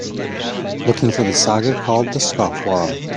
Looking for the saga called The Scofflaw